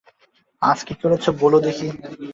আজ কী করেছ বলো দেখি।